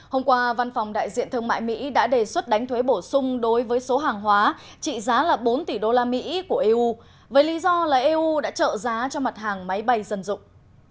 hôm qua văn phòng đại diện thương mại mỹ đã đề xuất đánh thuế bổ sung đối với số hàng hóa trị giá là bốn tỷ usd của eu với lý do là eu đã trợ giá cho mặt hàng máy bay dân dụng